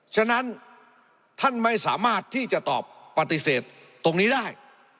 ฉะนั้นท่านไม่สามารถที่จะตอบปฏิเสธตรงนี้ได้